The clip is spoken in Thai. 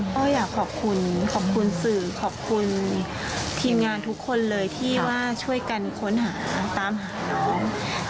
ก็อยากขอบคุณขอบคุณสื่อขอบคุณทีมงานทุกคนเลยที่ว่าช่วยกันค้นหาตามหาน้อง